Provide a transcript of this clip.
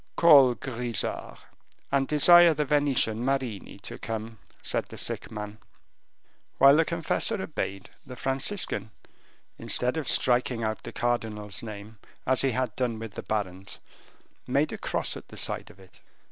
"Call Grisart, and desire the Venetian Marini to come," said the sick man. While the confessor obeyed, the Franciscan, instead of striking out the cardinal's name, as he had done the baron's, made a cross at the side of it.